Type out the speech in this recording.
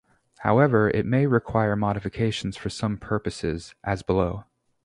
However, it may require modifications for some purposes, as below.